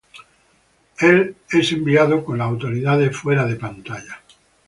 Él es enviado con las autoridades fuera de pantalla.